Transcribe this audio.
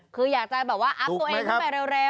คืออยากจะแบบว่าอัพตัวเองขึ้นไปเร็ว